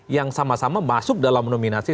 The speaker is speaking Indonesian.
yang sama sama masuk dalam nominasi